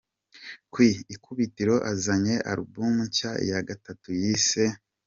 Ku ikubitiro azanye album nshya ya Gatatu yise L.